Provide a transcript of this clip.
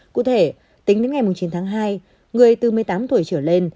cụ thể tính đến ngày chín tháng hai người từ một mươi tám tuổi trở lên